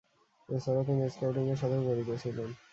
এছাড়া তিনি স্কাউটিং এর সাথেও জড়িত ছিলেন।